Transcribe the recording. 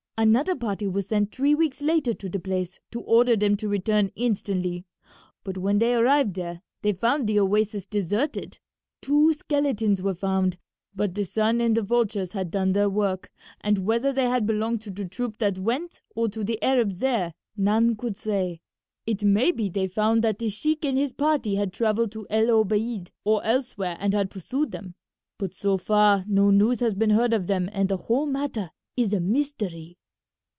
"Another party was sent three weeks later to the place to order them to return instantly, but when they arrived there they found the oasis deserted. Two skeletons were found, but the sun and the vultures had done their work, and whether they had belonged to the troop that went or to the Arabs there none could say. It may be they found that this sheik and his party had travelled to El Obeid or elsewhere and had pursued them, but so far no news has been heard of them and the whole matter is a mystery."